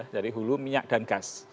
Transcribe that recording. jadi hulumi minyak dan gas